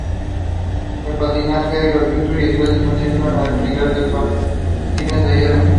El patinaje es gratuito y está disponible el alquiler de patines de hielo.